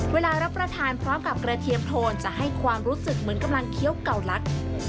เวลารับประทานพร้อมกับกระเทียมโทนจะให้ความรู้สึกเหมือนกำลังเคี้ยวเก่าลัก